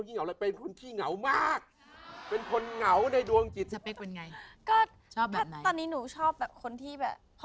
ฉันพรืนตัวเองว่ะสืมให้เยอะ